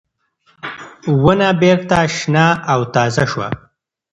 ونه بېرته شنه او تازه شوه.